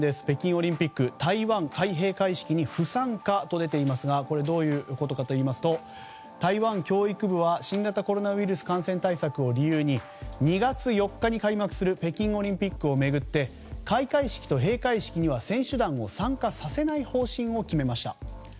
北京オリンピック台湾、開閉会式に不参加と出ていますがどういうことかといいますと台湾教育部は新型コロナウイルス感染対策を理由に、２月４日に開幕する北京オリンピックを巡って開会式と閉会式には選手団を参加させない方針を決めました。